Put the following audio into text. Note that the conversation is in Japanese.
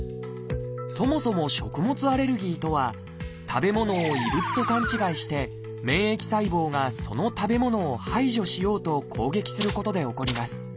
そもそも「食物アレルギー」とは食べ物を異物と勘違いして免疫細胞がその食べ物を排除しようと攻撃することで起こります。